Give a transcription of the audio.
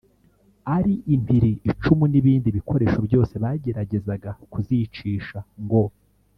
ari impiri, icumu n’ibindi bikoresho byose bageragezaga kuzicisha ngo